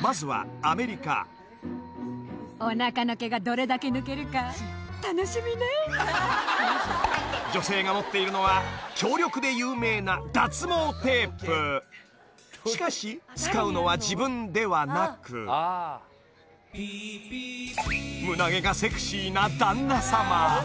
まずはアメリカ女性が持っているのは強力で有名な脱毛テープしかし使うのは自分ではなく胸毛がセクシーな旦那さま